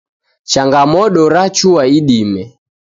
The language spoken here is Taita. Changamodo rachua idime